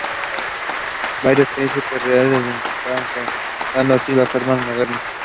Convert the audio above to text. Varios príncipes reales, le imitaron quedando, así, las armas modernas.